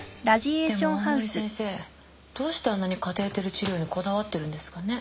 でも大森先生どうしてあんなにカテーテル治療にこだわってるんですかね？